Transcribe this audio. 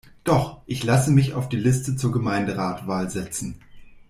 Doch, ich lasse mich auf die Liste zur Gemeinderatwahl setzen.